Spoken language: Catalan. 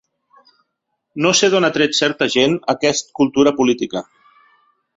No sé d'on ha tret certa gent aquest cultura política.